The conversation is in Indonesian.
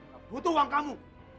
kamu butuh uang kamu